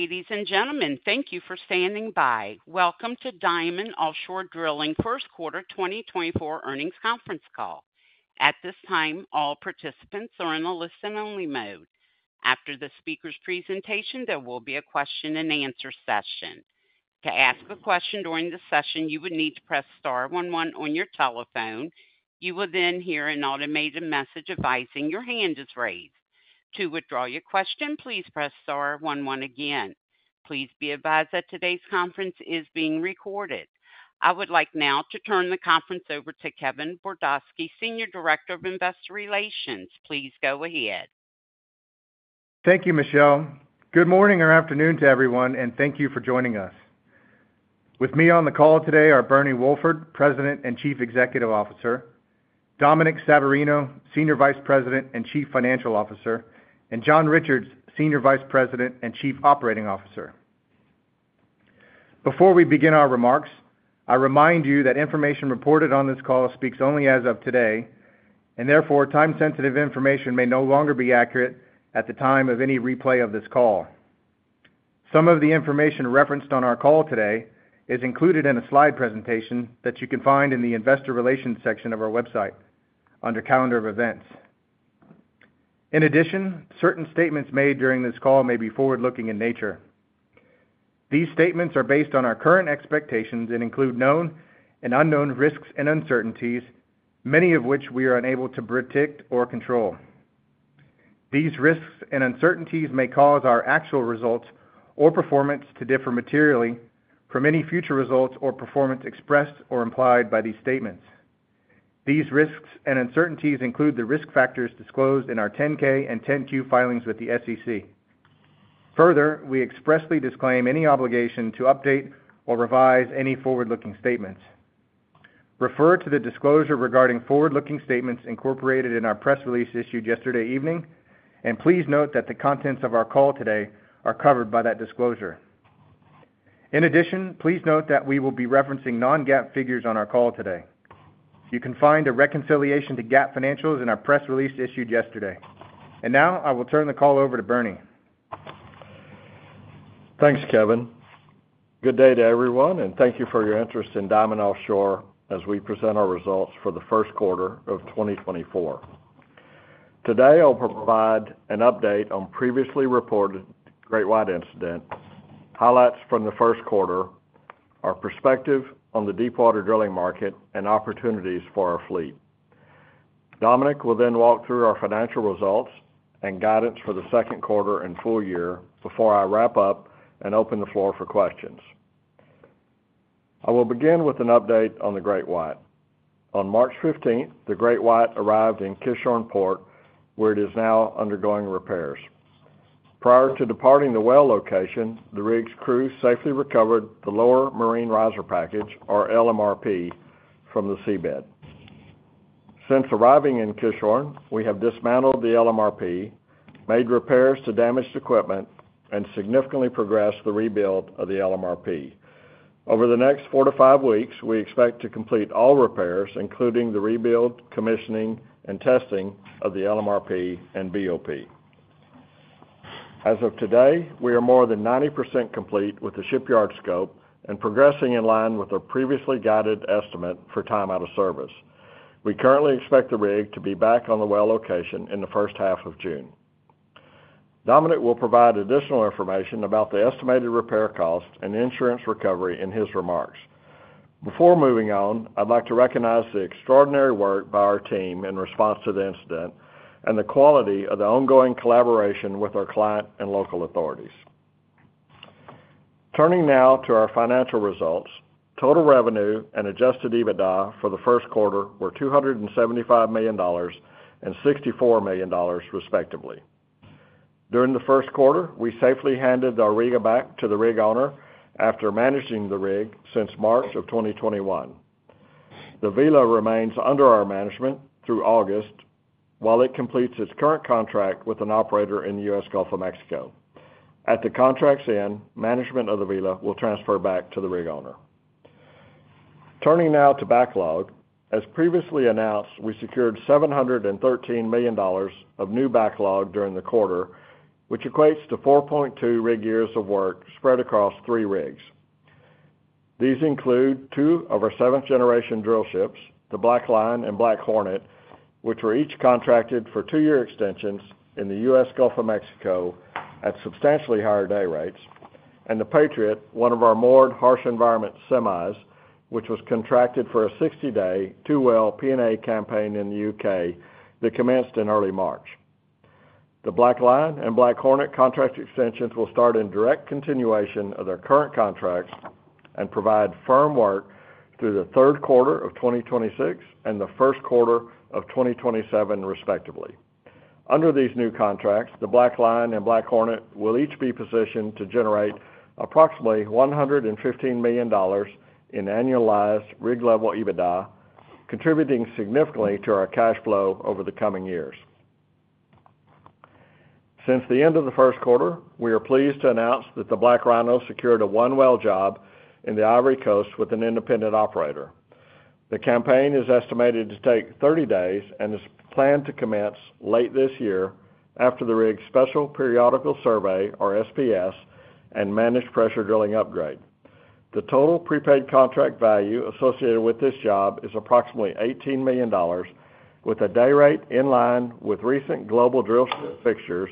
Ladies and gentlemen, thank you for standing by. Welcome to Diamond Offshore Drilling Q1 2024 Earnings Conference Call. At this time, all participants are in a listen-only mode. After the speaker's presentation, there will be a question-and-answer session. To ask a question during the session, you would need to press star 11 on your telephone. You will then hear an automated message advising your hand is raised. To withdraw your question, please press star 11 again. Please be advised that today's conference is being recorded. I would like now to turn the conference over to Kevin Bordosky, Senior Director of Investor Relations. Please go ahead. Thank you, Michiel. Good morning or afternoon to everyone, and thank you for joining us. With me on the call today are Bernie Wolford, President and Chief Executive Officer, Dominic Savarino, Senior Vice President and Chief Financial Officer, and John Richards, Senior Vice President and Chief Operating Officer. Before we begin our remarks, I remind you that information reported on this call speaks only as of today, and therefore time-sensitive information may no longer be accurate at the time of any replay of this call. Some of the information referenced on our call today is included in a slide presentation that you can find in the Investor Relations section of our website under Calendar of Events. In addition, certain statements made during this call may be forward-looking in nature. These statements are based on our current expectations and include known and unknown risks and uncertainties, many of which we are unable to predict or control. These risks and uncertainties may cause our actual results or performance to differ materially from any future results or performance expressed or implied by these statements. These risks and uncertainties include the risk factors disclosed in our 10-K and 10-Q filings with the SEC. Further, we expressly disclaim any obligation to update or revise any forward-looking statements. Refer to the disclosure regarding forward-looking statements incorporated in our press release issued yesterday evening, and please note that the contents of our call today are covered by that disclosure. In addition, please note that we will be referencing non-GAAP figures on our call today. You can find a reconciliation to GAAP financials in our press release issued yesterday. Now I will turn the call over to Bernie. Thanks, Kevin. Good day to everyone, and thank you for your interest in Diamond Offshore as we present our results for the Q1 of 2024. Today I'll provide an update on previously reported Ocean GreatWhite incident, highlights from the Q1, our perspective on the deepwater drilling market, and opportunities for our fleet. Dominic will then walk through our financial results and guidance for the Q2 and full year before I wrap up and open the floor for questions. I will begin with an update on the Ocean GreatWhite. On March 15th, the Ocean GreatWhite arrived in Kishorne Port where it is now undergoing repairs. Prior to departing the well location, the rig's crew safely recovered the Lower Marine Riser Package, or LMRP, from the seabed. Since arriving in Kishorne, we have dismantled the LMRP, made repairs to damaged equipment, and significantly progressed the rebuild of the LMRP. Over the next 4-5 weeks, we expect to complete all repairs, including the rebuild, commissioning, and testing of the LMRP and BOP. As of today, we are more than 90% complete with the shipyard scope and progressing in line with our previously guided estimate for time out of service. We currently expect the rig to be back on the well location in the first half of June. Dominic will provide additional information about the estimated repair cost and insurance recovery in his remarks. Before moving on, I'd like to recognize the extraordinary work by our team in response to the incident and the quality of the ongoing collaboration with our client and local authorities. Turning now to our financial results, total revenue and Adjusted EBITDA for the Q1 were $275 million and $64 million, respectively. During the Q1, we safely handed the Auriga back to the rig owner after managing the rig since March of 2021. The Vela remains under our management through August while it completes its current contract with an operator in the US Gulf of Mexico. At the contract's end, management of the Vela will transfer back to the rig owner. Turning now to backlog. As previously announced, we secured $713 million of new backlog during the quarter, which equates to 4.2 rig years of work spread across three rigs. These include two of our seventh-generation drillships, the Ocean BlackLion and Ocean BlackHornet, which were each contracted for two-year extensions in the US Gulf of Mexico at substantially higher day rates, and the Ocean Patriot, one of our moored, harsh environment semis, which was contracted for a 60-day two-well P&A campaign in the UK that commenced in early March. The BlackLion and BlackHornet contract extensions will start in direct continuation of their current contracts and provide firm work through the Q3 of 2026 and the Q1 of 2027, respectively. Under these new contracts, the BlackLion and BlackHornet will each be positioned to generate approximately $115 million in annualized rig-level EBITDA, contributing significantly to our cash flow over the coming years. Since the end of the Q1, we are pleased to announce that the BlackRhino secured a one-well job in the Ivory Coast with an independent operator. The campaign is estimated to take 30 days and is planned to commence late this year after the rig's Special Periodical Survey, or SPS, and Managed Pressure Drilling upgrade. The total prepaid contract value associated with this job is approximately $18 million, with a day rate in line with recent global drillship fixtures,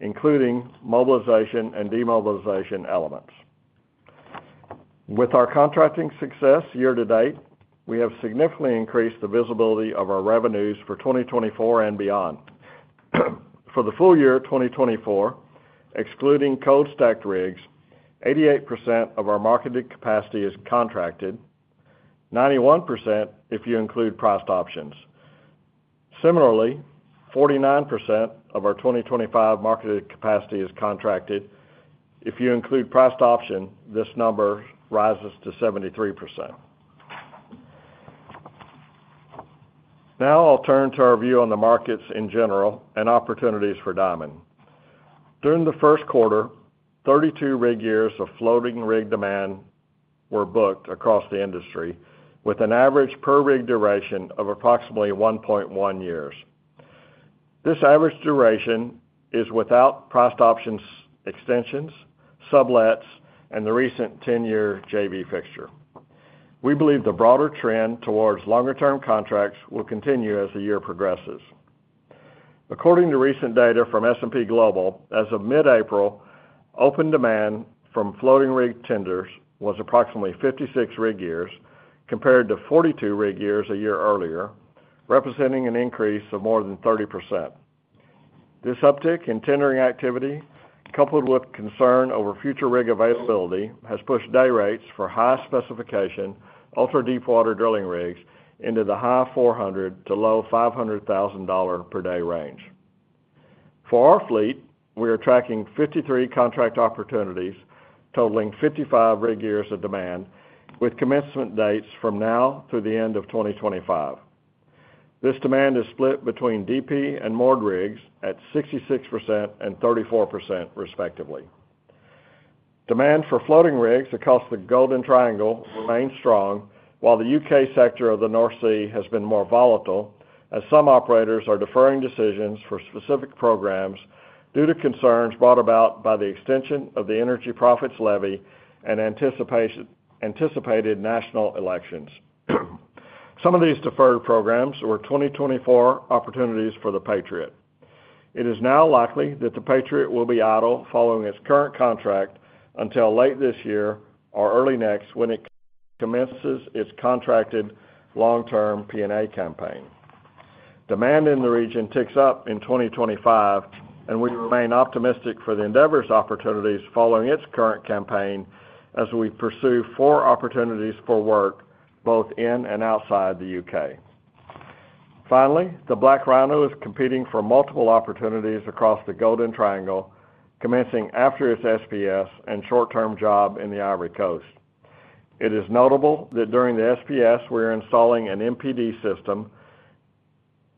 including mobilization and demobilization elements. With our contracting success year to date, we have significantly increased the visibility of our revenues for 2024 and beyond. For the full year 2024, excluding cold-stacked rigs, 88% of our marketed capacity is contracted, 91% if you include priced options. Similarly, 49% of our 2025 marketed capacity is contracted. If you include priced options, this number rises to 73%. Now I'll turn to our view on the markets in general and opportunities for Diamond. During the Q1, 32 rig years of floating rig demand were booked across the industry, with an average per-rig duration of approximately 1.1 years. This average duration is without priced options extensions, sublets, and the recent 10-year JV fixture. We believe the broader trend towards longer-term contracts will continue as the year progresses. According to recent data from S&P Global, as of mid-April, open demand from floating rig tenders was approximately 56 rig years compared to 42 rig years a year earlier, representing an increase of more than 30%. This uptick in tendering activity, coupled with concern over future rig availability, has pushed day rates for high-specification, ultra-deepwater drilling rigs into the high $400,000 to low $500,000 per day range. For our fleet, we are tracking 53 contract opportunities, totaling 55 rig years of demand, with commencement dates from now through the end of 2025. This demand is split between DP and moored rigs at 66% and 34%, respectively. Demand for floating rigs across the Golden Triangle remains strong, while the UK sector of the North Sea has been more volatile, as some operators are deferring decisions for specific programs due to concerns brought about by the extension of the Energy Profits Levy and anticipated national elections. Some of these deferred programs were 2024 opportunities for the Patriot. It is now likely that the Patriot will be idle following its current contract until late this year or early next when it commences its contracted long-term P&A campaign. Demand in the region ticks up in 2025, and we remain optimistic for the Endeavor's opportunities following its current campaign as we pursue four opportunities for work both in and outside the UK Finally, the BlackRhino is competing for multiple opportunities across the Golden Triangle, commencing after its SPS and short-term job in the Ivory Coast. It is notable that during the SPS we are installing an MPD system.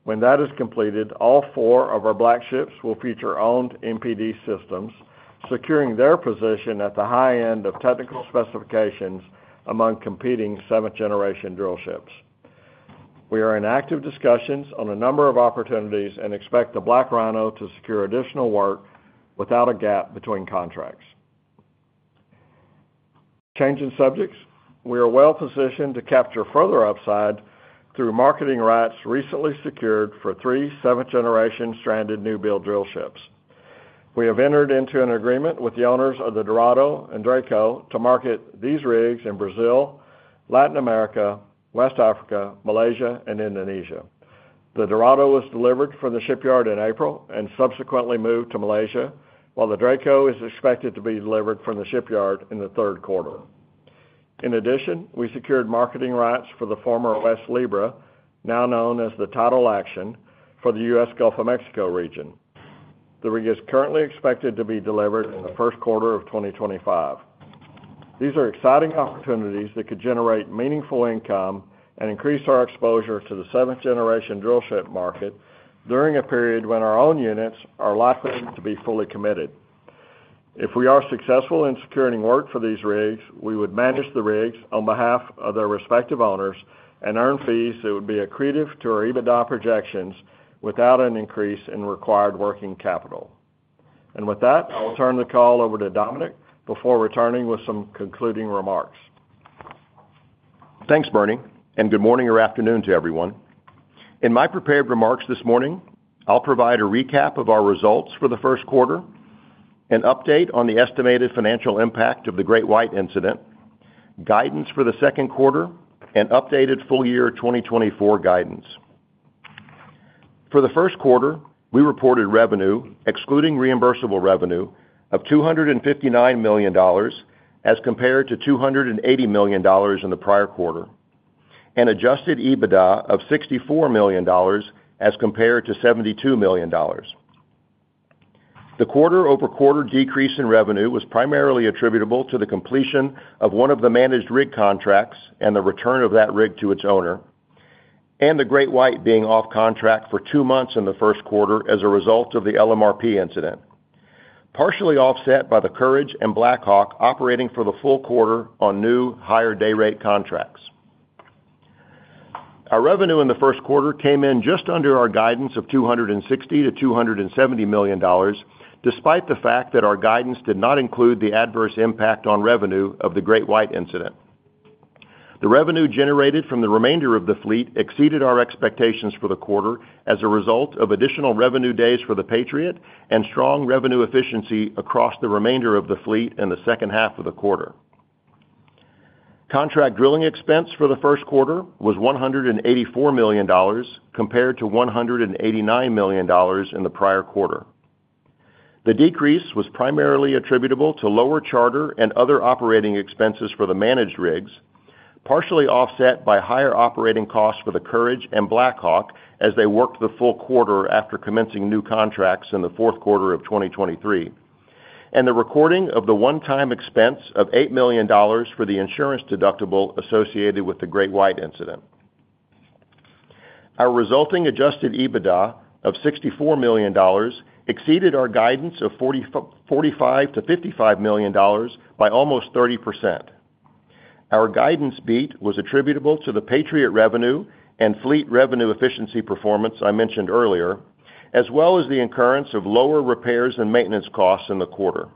When that is completed, all four of our Blackships will feature owned MPD systems, securing their position at the high end of technical specifications among competing seventh-generation drillships. We are in active discussions on a number of opportunities and expect the BlackRhino to secure additional work without a gap between contracts. Changing subjects, we are well positioned to capture further upside through marketing rights recently secured for three seventh-generation stranded new-build drillships. We have entered into an agreement with the owners of the Dorado and Draco to market these rigs in Brazil, Latin America, West Africa, Malaysia, and Indonesia. The Dorado was delivered from the shipyard in April and subsequently moved to Malaysia, while the Draco is expected to be delivered from the shipyard in the Q3. In addition, we secured marketing rights for the former West Libra, now known as the Tidal Action, for the US Gulf of Mexico region. The rig is currently expected to be delivered in the Q1 of 2025. These are exciting opportunities that could generate meaningful income and increase our exposure to the seventh-generation drillship market during a period when our own units are likely to be fully committed. If we are successful in securing work for these rigs, we would manage the rigs on behalf of their respective owners and earn fees that would be accretive to our EBITDA projections without an increase in required working capital. And with that, I will turn the call over to Dominic before returning with some concluding remarks. Thanks, Bernie, and good morning or afternoon to everyone. In my prepared remarks this morning, I'll provide a recap of our results for the Q1, an update on the estimated financial impact of the GreatWhite incident, guidance for the Q2, and updated full-year 2024 guidance. For the Q1, we reported revenue, excluding reimbursable revenue, of $259 million as compared to $280 million in the prior quarter, and Adjusted EBITDA of $64 million as compared to $72 million. The quarter-over-quarter decrease in revenue was primarily attributable to the completion of one of the managed rig contracts and the return of that rig to its owner, and the GreatWhite being off contract for two months in the Q1 as a result of the LMRP incident, partially offset by the Courage and BlackHawk operating for the full quarter on new, higher day rate contracts. Our revenue in the Q1 came in just under our guidance of $260-$270 million, despite the fact that our guidance did not include the adverse impact on revenue of the GreatWhite incident. The revenue generated from the remainder of the fleet exceeded our expectations for the quarter as a result of additional revenue days for the Patriot and strong revenue efficiency across the remainder of the fleet in the second half of the quarter. Contract drilling expense for the Q1 was $184 million compared to $189 million in the prior quarter. The decrease was primarily attributable to lower charter and other operating expenses for the managed rigs, partially offset by higher operating costs for the Courage and BlackHawk as they worked the full quarter after commencing new contracts in the Q4 of 2023, and the recording of the one-time expense of $8 million for the insurance deductible associated with the GreatWhite incident. Our resulting Adjusted EBITDA of $64 million exceeded our guidance of $45 to 55 million by almost 30%. Our guidance beat was attributable to the Patriot revenue and fleet revenue efficiency performance I mentioned earlier, as well as the incurrence of lower repairs and maintenance costs in the quarter.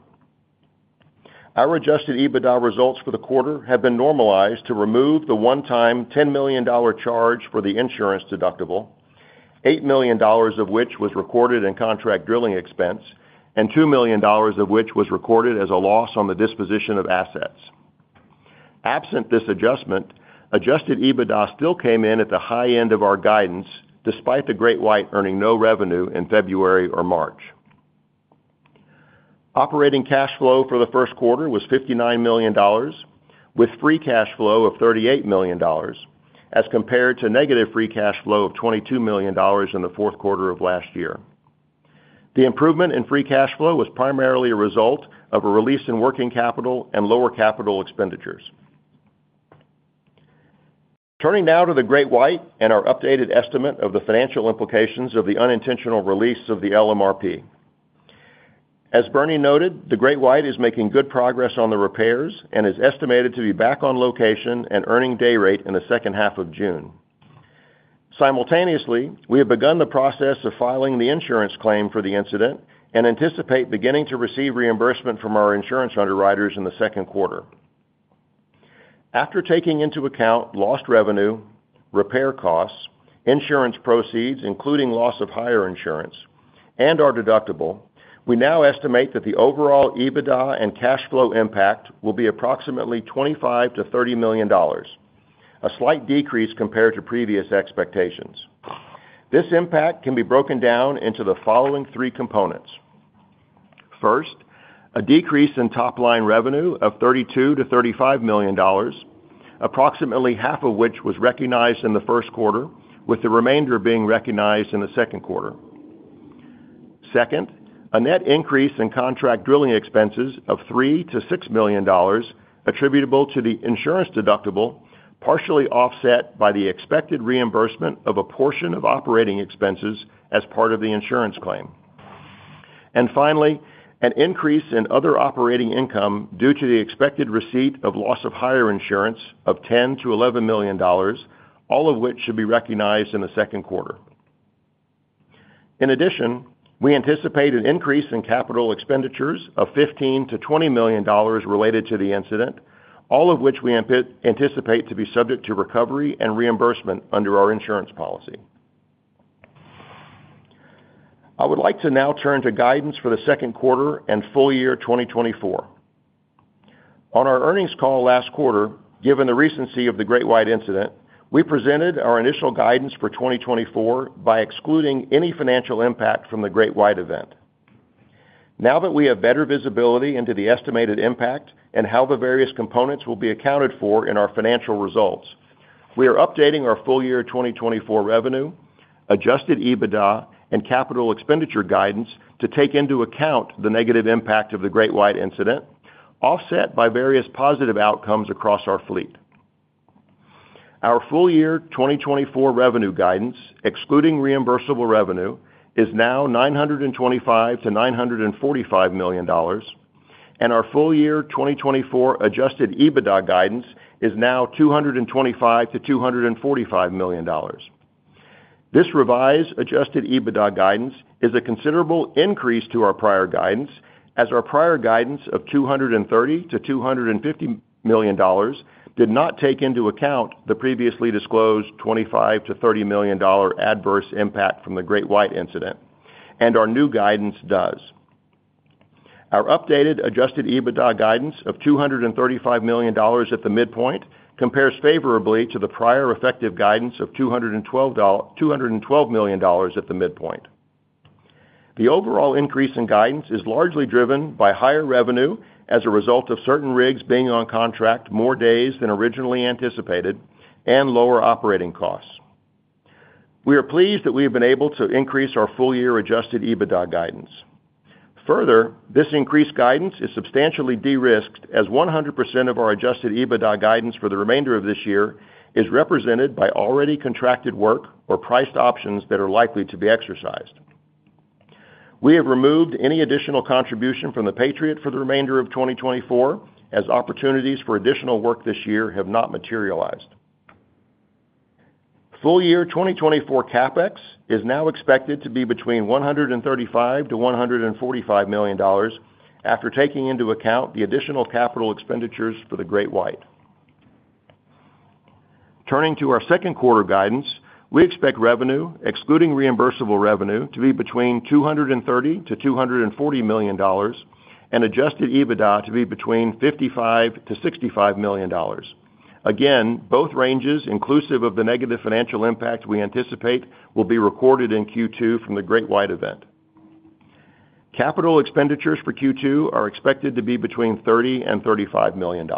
Our adjusted EBITDA results for the quarter have been normalized to remove the one-time $10 million charge for the insurance deductible, $8 million of which was recorded in contract drilling expense, and $2 million of which was recorded as a loss on the disposition of assets. Absent this adjustment, adjusted EBITDA still came in at the high end of our guidance despite the GreatWhite earning no revenue in February or March. Operating cash flow for the Q1 was $59 million, with free cash flow of $38 million as compared to negative free cash flow of $22 million in the Q4 of last year. The improvement in free cash flow was primarily a result of a release in working capital and lower capital expenditures. Turning now to the GreatWhite and our updated estimate of the financial implications of the unintentional release of the LMRP. As Bernie noted, the GreatWhite is making good progress on the repairs and is estimated to be back on location and earning day rate in the second half of June. Simultaneously, we have begun the process of filing the insurance claim for the incident and anticipate beginning to receive reimbursement from our insurance underwriters in the Q2. After taking into account lost revenue, repair costs, insurance proceeds including loss of hire insurance, and our deductible, we now estimate that the overall EBITDA and cash flow impact will be approximately $25 to 30 million, a slight decrease compared to previous expectations. This impact can be broken down into the following three components. First, a decrease in top-line revenue of $32 to 35 million, approximately half of which was recognized in the Q1, with the remainder being recognized in the Q2. Second, a net increase in contract drilling expenses of $3 to 6 million attributable to the insurance deductible, partially offset by the expected reimbursement of a portion of operating expenses as part of the insurance claim. And finally, an increase in other operating income due to the expected receipt of loss of hire insurance of $10 to 11 million, all of which should be recognized in the Q2. In addition, we anticipate an increase in capital expenditures of $15 to 20 million related to the incident, all of which we anticipate to be subject to recovery and reimbursement under our insurance policy. I would like to now turn to guidance for the Q2 and full year 2024. On our earnings call last quarter, given the recency of the GreatWhite incident, we presented our initial guidance for 2024 by excluding any financial impact from the GreatWhite event. Now that we have better visibility into the estimated impact and how the various components will be accounted for in our financial results, we are updating our full year 2024 revenue, Adjusted EBITDA, and capital expenditure guidance to take into account the negative impact of the GreatWhite incident, offset by various positive outcomes across our fleet. Our full year 2024 revenue guidance, excluding reimbursable revenue, is now $925 to 945 million, and our full year 2024 Adjusted EBITDA guidance is now $225 to 245 million. This revised Adjusted EBITDA guidance is a considerable increase to our prior guidance, as our prior guidance of $230 to 250 million did not take into account the previously disclosed $25 to 30 million adverse impact from the GreatWhite incident, and our new guidance does. Our updated Adjusted EBITDA guidance of $235 million at the midpoint compares favorably to the prior effective guidance of $212 million at the midpoint. The overall increase in guidance is largely driven by higher revenue as a result of certain rigs being on contract more days than originally anticipated and lower operating costs. We are pleased that we have been able to increase our full year Adjusted EBITDA guidance. Further, this increased guidance is substantially de-risked as 100% of our Adjusted EBITDA guidance for the remainder of this year is represented by already contracted work or priced options that are likely to be exercised. We have removed any additional contribution from the Patriot for the remainder of 2024, as opportunities for additional work this year have not materialized. Full year 2024 CapEx is now expected to be between $135 to 145 million after taking into account the additional capital expenditures for the GreatWhite. Turning to our Q2 guidance, we expect revenue, excluding reimbursable revenue, to be between $230 to 240 million and Adjusted EBITDA to be between $55 to 65 million. Again, both ranges, inclusive of the negative financial impact we anticipate, will be recorded in Q2 from the GreatWhite event. Capital expenditures for Q2 are expected to be between $30 and $35 million.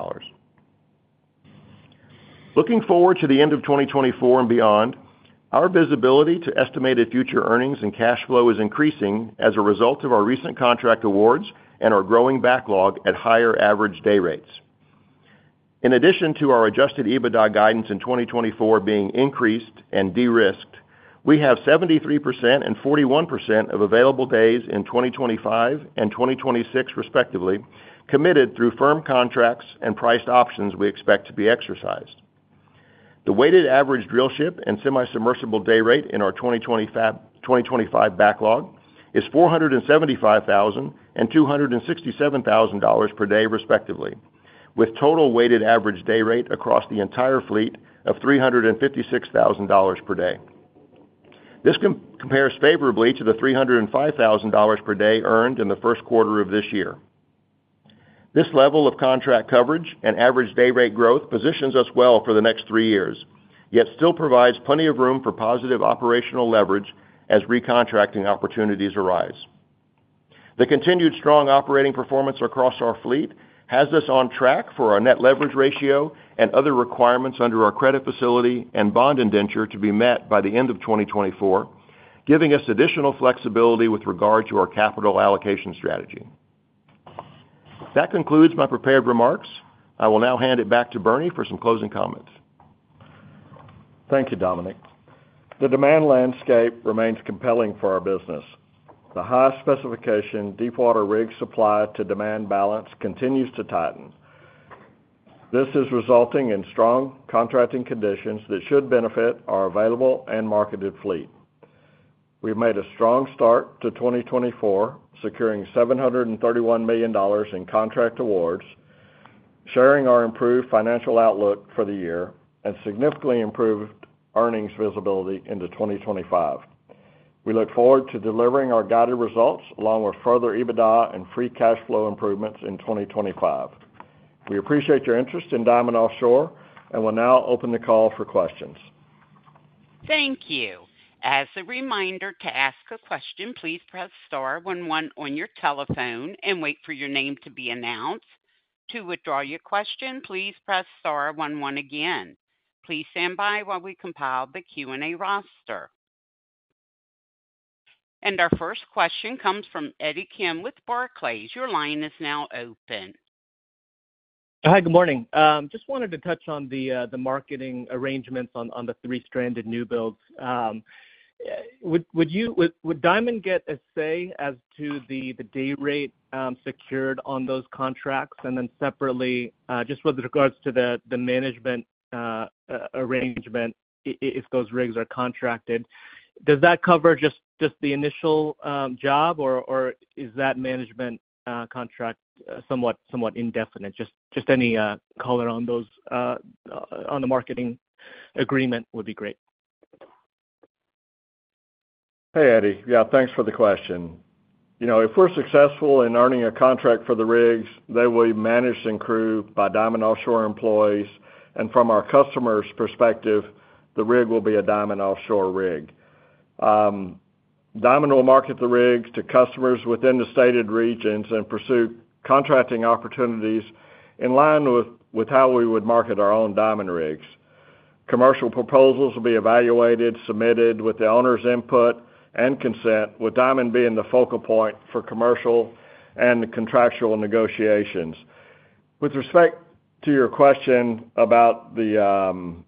Looking forward to the end of 2024 and beyond, our visibility to estimated future earnings and cash flow is increasing as a result of our recent contract awards and our growing backlog at higher average day rates. In addition to our adjusted EBITDA guidance in 2024 being increased and de-risked, we have 73% and 41% of available days in 2025 and 2026, respectively, committed through firm contracts and priced options we expect to be exercised. The weighted average drillship and semi-submersible day rate in our 2025 backlog is $475,000 and $267,000 per day, respectively, with total weighted average day rate across the entire fleet of $356,000 per day. This compares favorably to the $305,000 per day earned in the Q1 of this year. This level of contract coverage and average day rate growth positions us well for the next three years, yet still provides plenty of room for positive operational leverage as recontracting opportunities arise. The continued strong operating performance across our fleet has us on track for our net leverage ratio and other requirements under our credit facility and bond indenture to be met by the end of 2024, giving us additional flexibility with regard to our capital allocation strategy. That concludes my prepared remarks. I will now hand it back to Bernie for some closing comments. Thank you, Dominic. The demand landscape remains compelling for our business. The high specification deepwater rig supply to demand balance continues to tighten. This is resulting in strong contracting conditions that should benefit our available and marketed fleet. We've made a strong start to 2024, securing $731 million in contract awards, sharing our improved financial outlook for the year, and significantly improved earnings visibility into 2025. We look forward to delivering our guided results along with further EBITDA and free cash flow improvements in 2025. We appreciate your interest in Diamond Offshore and will now open the call for questions. Thank you. As a reminder to ask a question, please press star 11 on your telephone and wait for your name to be announced. To withdraw your question, please press star 11 again. Please stand by while we compile the Q&A roster. Our first question comes from Eddie Kim with Barclays. Your line is now open. Hi, good morning. Just wanted to touch on the marketing arrangements on the three-stranded new builds. Would Diamond get a say as to the day rate secured on those contracts? And then separately, just with regards to the management arrangement, if those rigs are contracted, does that cover just the initial job, or is that management contract somewhat indefinite? Just any color on the marketing agreement would be great. Hey, Eddie. Yeah, thanks for the question. If we're successful in earning a contract for the rigs, they will be managed and crewed by Diamond Offshore employees. From our customer's perspective, the rig will be a Diamond Offshore rig. Diamond will market the rigs to customers within the stated regions and pursue contracting opportunities in line with how we would market our own Diamond rigs. Commercial proposals will be evaluated, submitted with the owner's input and consent, with Diamond being the focal point for commercial and contractual negotiations. With respect to your question about the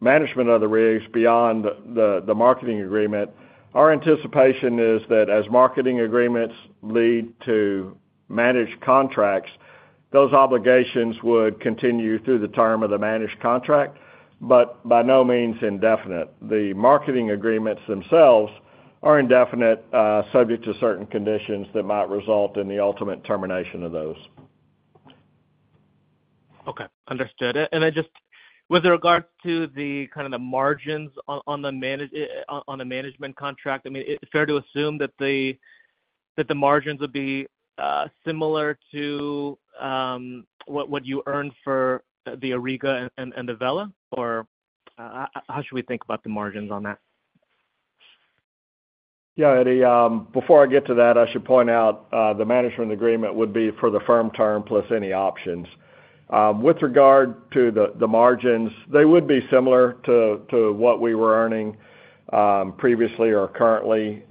management of the rigs beyond the marketing agreement, our anticipation is that as marketing agreements lead to managed contracts, those obligations would continue through the term of the managed contract, but by no means indefinite. The marketing agreements themselves are indefinite, subject to certain conditions that might result in the ultimate termination of those. Okay, understood. With regard to the margins on the management contract, it's fair to assume that the margins would be similar to what you earned for the Auriga and the Vela, or how should we think about the margins on that? Yeah, Eddie, before I get to that, I should point out the management agreement would be for the firm term plus any options. With regard to the margins, they would be similar to what we were earning previously or currently.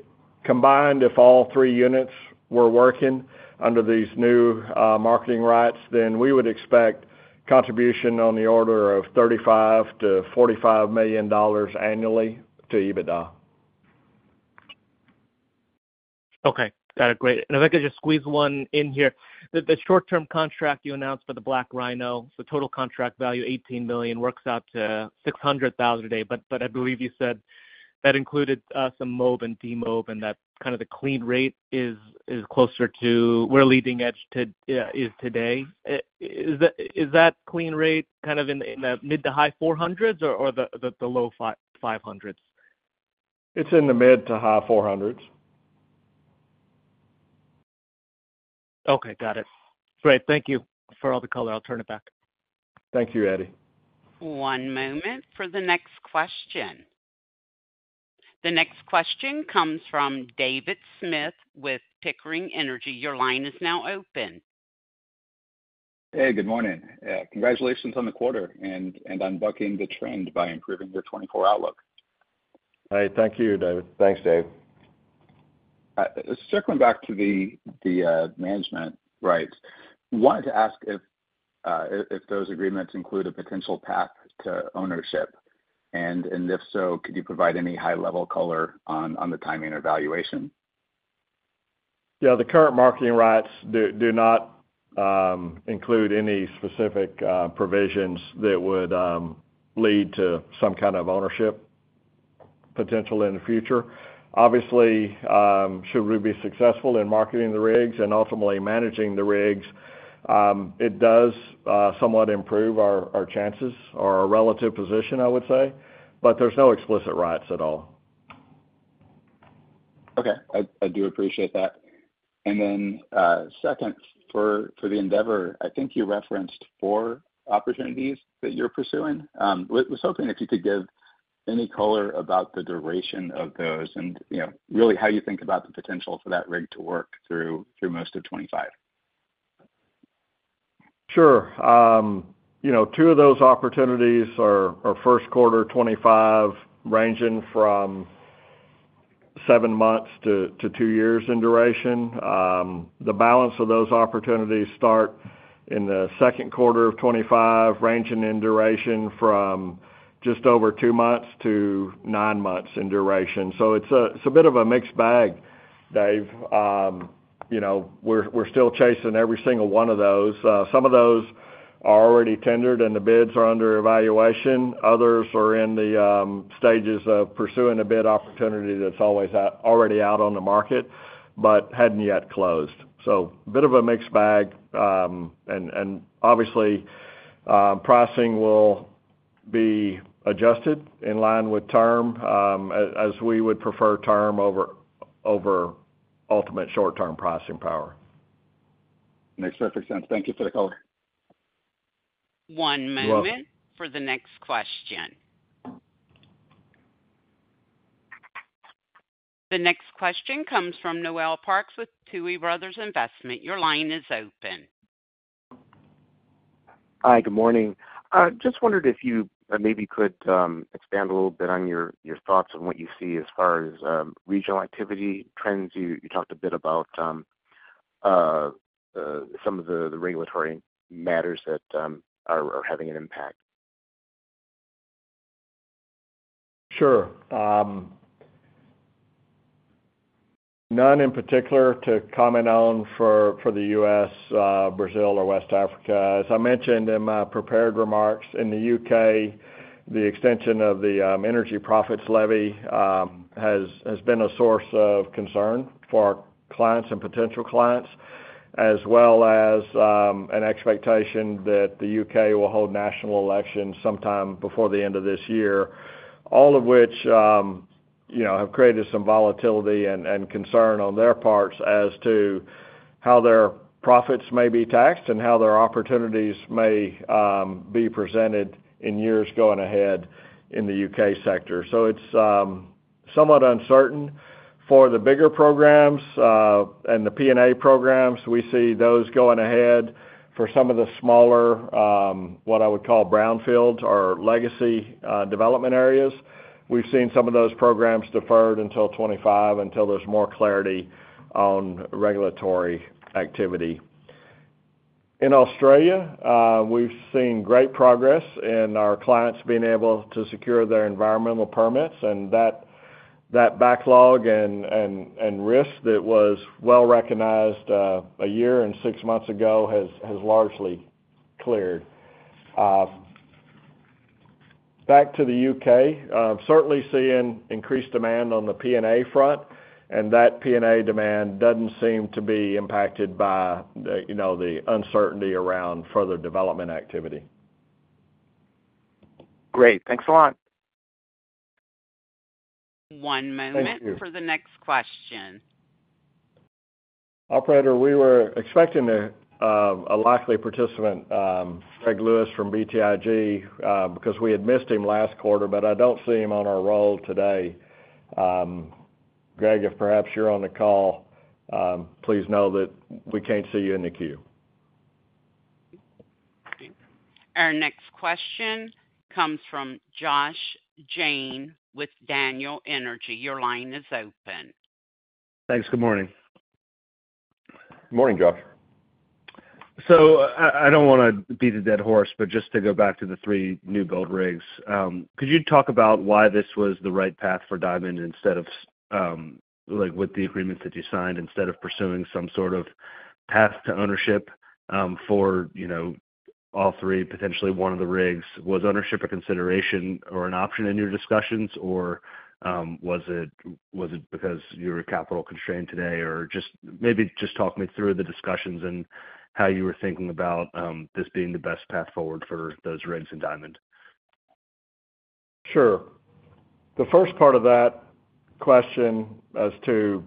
Combined, if all three units were working under these new marketing rights, then we would expect contribution on the order of $35-$45 million annually to EBITDA. Okay, got it. Great. If I could just squeeze one in here, the short-term contract you announced for the BlackRhino, the total contract value $18 million, works out to $600,000 a day. But I believe you said that included some mob and demob, and that kind of the clean rate is closer to where leading edge is today. Is that clean rate kind of in the mid to high 400s or the low 500s? It's in the mid- to high 400s. Okay, got it. Great. Thank you for all the color. I'll turn it back. Thank you, Eddie. One moment for the next question. The next question comes from David Smith with Pickering Energy. Your line is now open. Hey, good morning. Congratulations on the quarter, and bucking the trend by improving your 24-hour outlook. All right. Thank you, David. Thanks, Dave. Circling back to the management rights, wanted to ask if those agreements include a potential path to ownership. If so, could you provide any high-level color on the timing or valuation? Yeah, the current marketing rights do not include any specific provisions that would lead to some kind of ownership potential in the future. Obviously, should we be successful in marketing the rigs and ultimately managing the rigs, it does somewhat improve our chances or our relative position, I would say. But there's no explicit rights at all. Okay, I do appreciate that. And then second, for the Endeavor, I think you referenced four opportunities that you're pursuing. I was hoping if you could give any color about the duration of those and really how you think about the potential for that rig to work through most of 2025? Sure. Two of those opportunities are Q1 2025, ranging from 7 months to 2 years in duration. The balance of those opportunities start in the Q2 of 2025, ranging in duration from just over 2 months to 9 months in duration. So it's a bit of a mixed bag, Dave. We're still chasing every single one of those. Some of those are already tendered and the bids are under evaluation. Others are in the stages of pursuing a bid opportunity that's already out on the market but hadn't yet closed. So a bit of a mixed bag. And obviously, pricing will be adjusted in line with term as we would prefer term over ultimate short-term pricing power. Makes perfect sense. Thank you for the color. One moment for the next question. The next question comes from Noel Parks with Tuohy Brothers Investment. Your line is open. Hi, good morning. Just wondered if you maybe could expand a little bit on your thoughts on what you see as far as regional activity trends. You talked a bit about some of the regulatory matters that are having an impact. Sure. None in particular to comment on for the US, Brazil, or West Africa. As I mentioned in my prepared remarks, in the UK, the extension of the Energy Profits Levy has been a source of concern for our clients and potential clients, as well as an expectation that the UK will hold national elections sometime before the end of this year, all of which have created some volatility and concern on their parts as to how their profits may be taxed and how their opportunities may be presented in years going ahead in the UK sector. So it's somewhat uncertain. For the bigger programs and the P&A programs, we see those going ahead. For some of the smaller, what I would call brownfields or legacy development areas, we've seen some of those programs deferred until 2025 until there's more clarity on regulatory activity. In Australia, we've seen great progress in our clients being able to secure their environmental permits. That backlog and risk that was well recognized a year and six months ago has largely cleared. Back to the UK, certainly seeing increased demand on the P&A front. That P&A demand doesn't seem to be impacted by the uncertainty around further development activity. Great. Thanks a lot. One moment for the next question. Operator, we were expecting a likely participant, Greg Lewis from BTIG, because we had missed him last quarter, but I don't see him on our roster today. Greg, if perhaps you're on the call, please know that we can't see you in the queue. Our next question comes from Josh Jayne with Daniel Energy Partners. Your line is open. Thanks. Good morning. Good morning, Josh. So I don't want to beat a dead horse, but just to go back to the three new build rigs, could you talk about why this was the right path for Diamond with the agreements that you signed, instead of pursuing some sort of path to ownership for all three, potentially one of the rigs? Was ownership a consideration or an option in your discussions, or was it because you were capital-constrained today? Maybe just talk me through the discussions and how you were thinking about this being the best path forward for those rigs in Diamond. Sure. The first part of that question as to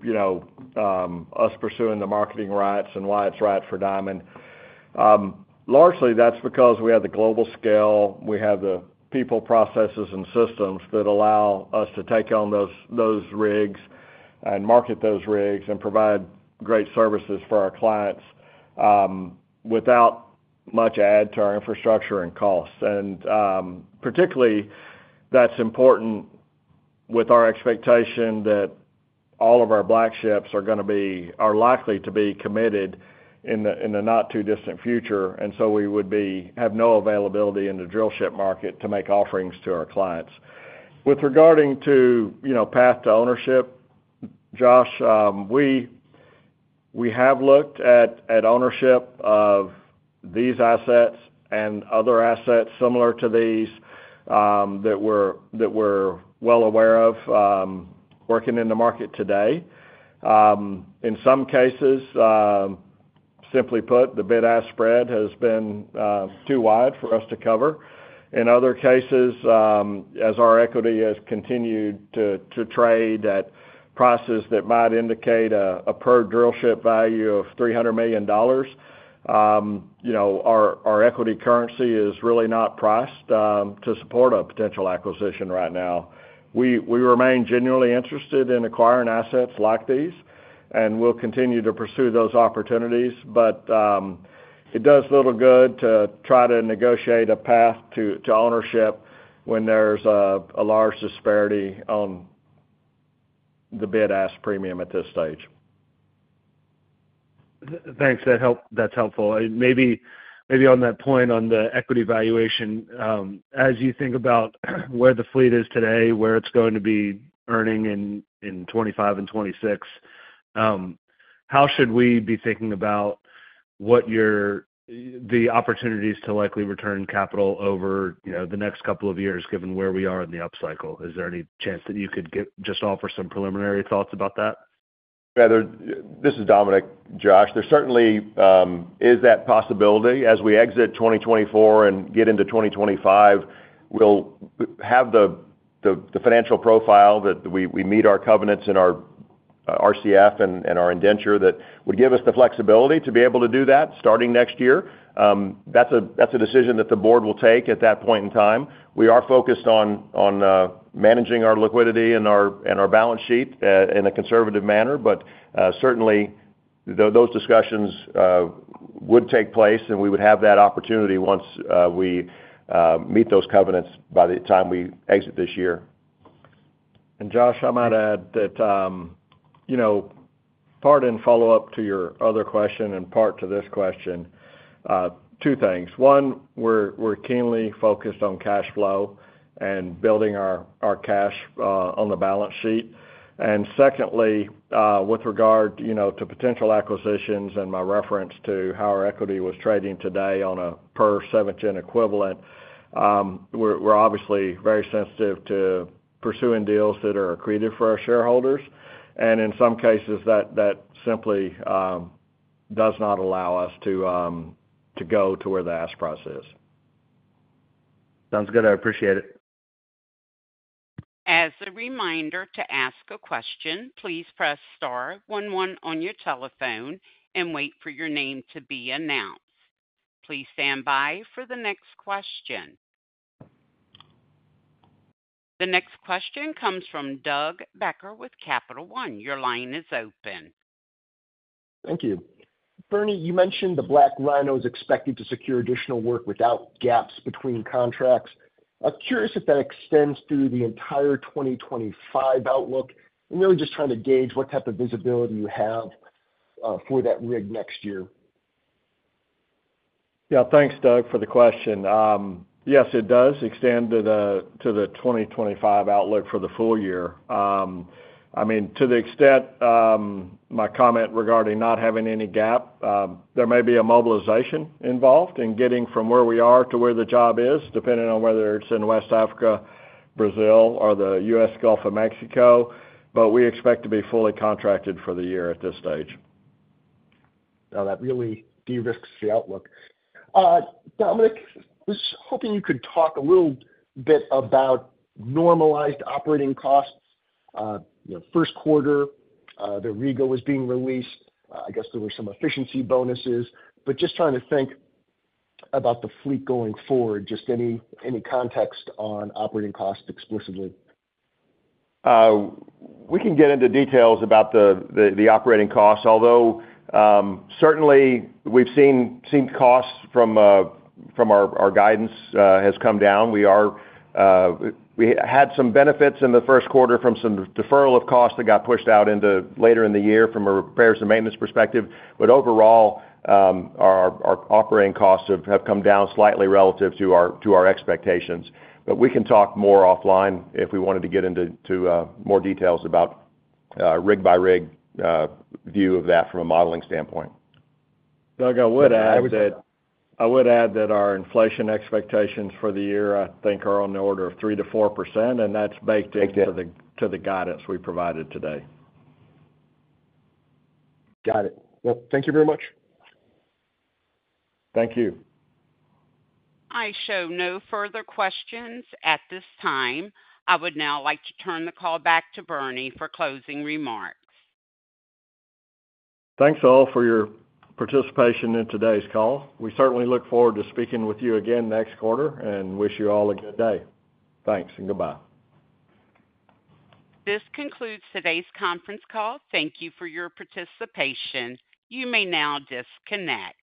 us pursuing the marketing rights and why it's right for Diamond, largely that's because we have the global scale. We have the people, processes, and systems that allow us to take on those rigs and market those rigs and provide great services for our clients without much add to our infrastructure and costs. And particularly, that's important with our expectation that all of our Blackships are likely to be committed in the not-too-distant future, and so we would have no availability in the drillship market to make offerings to our clients. With regard to path to ownership, Josh, we have looked at ownership of these assets and other assets similar to these that we're well aware of working in the market today. In some cases, simply put, the bid-ask spread has been too wide for us to cover. In other cases, as our equity has continued to trade at prices that might indicate a per-drillship value of $300 million, our equity currency is really not priced to support a potential acquisition right now. We remain genuinely interested in acquiring assets like these, and we'll continue to pursue those opportunities. But it does little good to try to negotiate a path to ownership when there's a large disparity on the bid-ask premium at this stage. Thanks. That's helpful. Maybe on that point on the equity valuation, as you think about where the fleet is today, where it's going to be earning in 2025 and 2026, how should we be thinking about the opportunities to likely return capital over the next couple of years, given where we are in the upcycle? Is there any chance that you could just offer some preliminary thoughts about that? This is Dominic. Josh, there certainly is that possibility. As we exit 2024 and get into 2025, we'll have the financial profile that we meet our covenants in our RCF and our indenture that would give us the flexibility to be able to do that starting next year. That's a decision that the board will take at that point in time. We are focused on managing our liquidity and our balance sheet in a conservative manner. But certainly, those discussions would take place, and we would have that opportunity once we meet those covenants by the time we exit this year. And Josh, I might add that part in follow-up to your other question and part to this question, two things. One, we're keenly focused on cash flow and building our cash on the balance sheet. And secondly, with regard to potential acquisitions and my reference to how our equity was trading today on a per-seventh-gen equivalent, we're obviously very sensitive to pursuing deals that are accreted for our shareholders. And in some cases, that simply does not allow us to go to where the ask price is. Sounds good. I appreciate it. As a reminder to ask a question, please press star 11 on your telephone and wait for your name to be announced. Please stand by for the next question. The next question comes from Doug Becker with Capital One. Your line is open. Thank you. Bernie, you mentioned the BlackRhino is expected to secure additional work without gaps between contracts. I'm curious if that extends through the entire 2025 outlook, and really just trying to gauge what type of visibility you have for that rig next year. Yeah, thanks, Doug, for the question. Yes, it does extend to the 2025 outlook for the full year. I mean, to the extent my comment regarding not having any gap, there may be a mobilization involved in getting from where we are to where the job is, depending on whether it's in West Africa, Brazil, or the US Gulf of Mexico. But we expect to be fully contracted for the year at this stage. Now, that really de-risks the outlook. Dominic, I was hoping you could talk a little bit about normalized operating costs Q1. The rig was being released. I guess there were some efficiency bonuses. But just trying to think about the fleet going forward, just any context on operating costs explicitly. We can get into details about the operating costs, although certainly, we've seen costs from our guidance has come down. We had some benefits in the Q1 from some deferral of costs that got pushed out later in the year from a repairs and maintenance perspective. But overall, our operating costs have come down slightly relative to our expectations. But we can talk more offline if we wanted to get into more details about rig-by-rig view of that from a modeling standpoint. Doug, I would add that I would add that our inflation expectations for the year, I think, are on the order of 3% to 4%, and that's baked into the guidance we provided today. Got it. Well, thank you very much. Thank you. I show no further questions at this time. I would now like to turn the call back to Bernie for closing remarks. Thanks all for your participation in today's call. We certainly look forward to speaking with you again next quarter and wish you all a good day. Thanks and goodbye. This concludes today's conference call. Thank you for your participation. You may now disconnect.